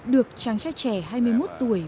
được chàng trai trẻ hai mươi một tuổi